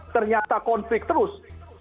ternyata konflik terus